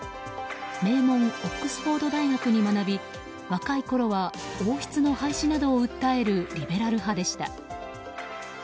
名門オックスフォード大学に学び若いころは王室の廃止などを訴えるリベラル派でした。